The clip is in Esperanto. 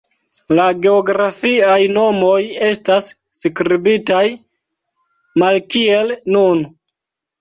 La geografiaj nomoj estas skribitaj malkiel nun.